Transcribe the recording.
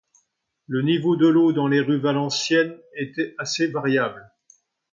Le niveau de l'eau dans les rues valenciennes était assez variable.